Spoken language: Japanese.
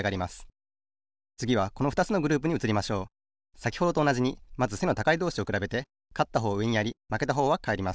さきほどとおなじにまず背の高いどうしをくらべてかったほうをうえにやりまけたほうはかえります。